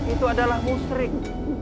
itu adalah musrik